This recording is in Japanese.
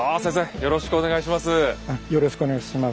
よろしくお願いします。